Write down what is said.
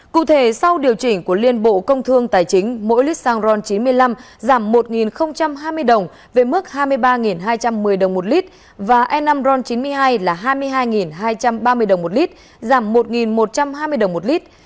cụ thể sau điều chỉnh của liên bộ công thương tài chính mỗi lít xăng ron chín mươi năm giảm một hai mươi đồng về mức hai mươi ba hai trăm một mươi đồng một lít và e năm ron chín mươi hai là hai mươi hai hai trăm ba mươi đồng một lít giảm một một trăm hai mươi đồng một lít